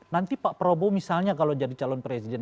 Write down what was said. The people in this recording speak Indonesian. nanti pak prabowo misalnya kalau jadi calon presiden